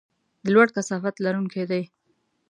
د لوړ کثافت لرونکي دي.